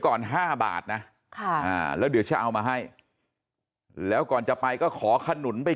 ก่อน๕บาทนะแล้วเดี๋ยวจะเอามาให้แล้วก่อนจะไปก็ขอขนุนไป